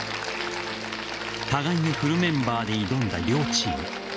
互いにフルメンバーで挑んだ両チーム。